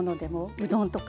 うどんとか。